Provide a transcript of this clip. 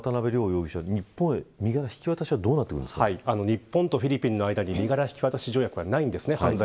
この両容疑者、日本への身柄引き渡し条約は日本とフィリピンの間に身柄引き渡し条約はないんです。